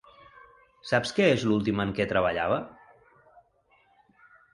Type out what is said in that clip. Saps què és l'últim en què treballava?